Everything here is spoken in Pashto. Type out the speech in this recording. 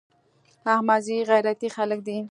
احمدزي غيرتي خلک دي.